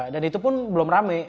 dan itu pun belum rame